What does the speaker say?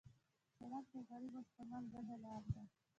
سړک د غریب او شتمن ګډه لار ده.